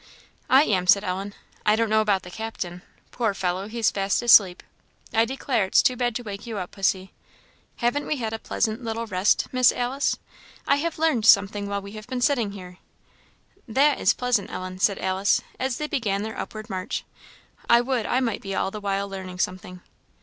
"I am," said Ellen; "I don't know about the Captain. Poor fellow! he's fast asleep. I declare it's too bad to wake you up, pussy. Haven't we had a pleasant little rest, Miss Alice? I have learnt something while we have been sitting here." "That is pleasant, Ellen," said Alice, as they began their upward march; "I would I might be all the while learning something."